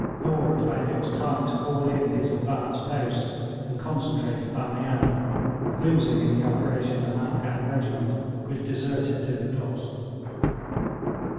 Lord found it was time to call in his advance posts and concentrate at Bamian, losing in the operation an Afghan regiment which deserted to the Dost.